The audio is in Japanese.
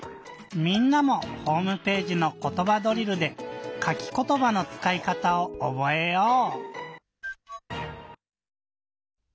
みんなもホームページの「ことばドリル」で「かきことば」のつかいかたをおぼえよう！